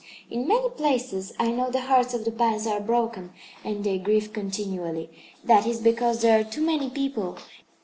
In many places I know the hearts of the pines are broken, and they grieve continually. That is because there are too many people.